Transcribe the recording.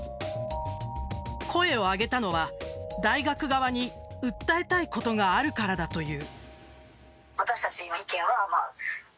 声を上げたのは、大学側に訴えたいことがあるからだという。